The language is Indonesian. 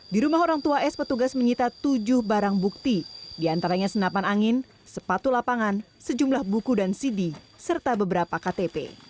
di rumah orang tua s petugas menyita tujuh barang bukti diantaranya senapan angin sepatu lapangan sejumlah buku dan cd serta beberapa ktp